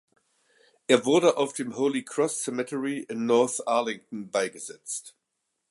Er wurde auf dem "Holy Cross Cemetery" in North Arlington beigesetzt.